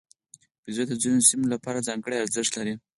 بیزو د ځینو سیمو لپاره ځانګړی ارزښت لري.